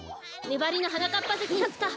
ねばりのはなかっぱぜきかつか？